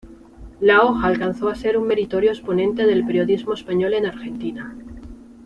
La hoja alcanzó a ser un meritorio exponente del periodismo español en Argentina.